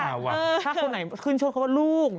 ถ้าคนไหนขึ้นโชคเขาว่าลูก